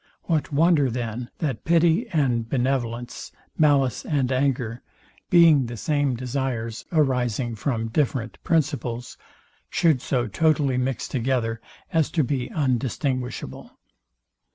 What wonder, then, that pity and benevolence, malice, and anger, being the same desires arising from different principles, should so totally mix together as to be undistinguishable?